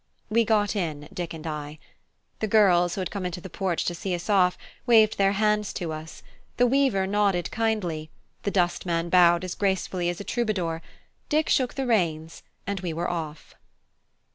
We got in, Dick and I. The girls, who had come into the porch to see us off, waved their hands to us; the weaver nodded kindly; the dustman bowed as gracefully as a troubadour; Dick shook the reins, and we were off.